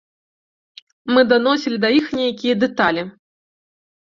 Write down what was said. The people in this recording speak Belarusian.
Мы даносілі да іх нейкія дэталі.